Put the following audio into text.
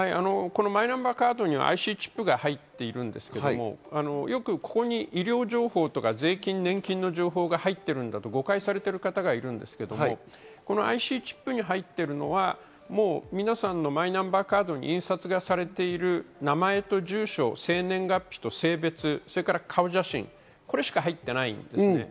マイナンバーカードにはＩＣチップが入っているんですけど、ここに医療情報とか税金、年金の情報が入ってるんだと誤解されてる方がいるんですけど、ＩＣチップに入っているのは皆さんのマイナンバーカードに印刷がされている名前と住所、生年月日と性別、それから顔写真、これしか入っていないんですね。